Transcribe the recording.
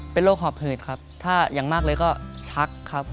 เป็นโรคออบหืดถ้าอย่างมากเลยก็ชัก